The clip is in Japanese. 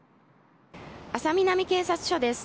安佐南警察署です。